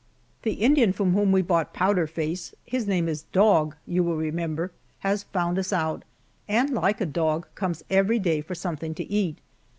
The Indian from whom we bought Powder Face his name is Dog, you will remember has found us out, and like a dog comes every day for something to eat.